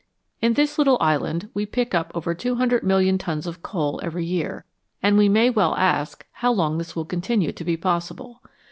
In this little island we pick up over 200,000,000 tons of coal every year, and we may well ask how long this will continue to be possible.